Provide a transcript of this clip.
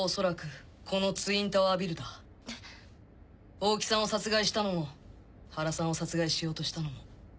大木さんを殺害したのも原さんを殺害しようとしたのも。